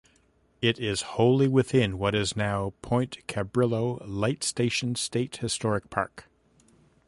It is wholly within what is now Point Cabrillo Light Station State Historic Park.